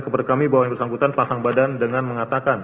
kepada kami bahwa yang bersangkutan pasang badan dengan mengatakan